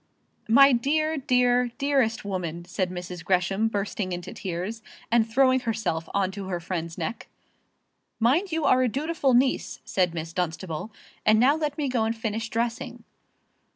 "My dear, dear, dearest woman!" said Mrs. Gresham, bursting into tears, and throwing herself on to her friend's neck. "Mind you are a dutiful niece," said Miss Dunstable. "And now let me go and finish dressing."